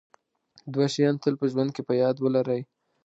دوه شیان تل په ژوند کې په یاد ولرئ.